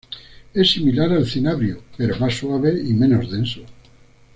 Es similar al cinabrio, pero más suave y menos denso.